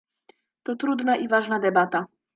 To trudna i ważna debata